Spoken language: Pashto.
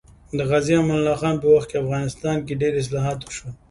د غازي امان الله خان په وخت کې افغانستان کې ډېر اصلاحات وشول